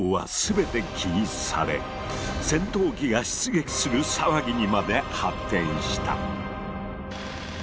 戦闘機が出撃する騒ぎにまで発展した。